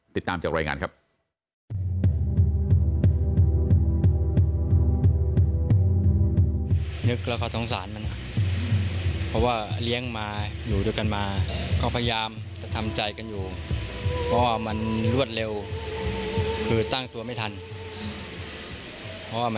ติดตามจากรายงานครับ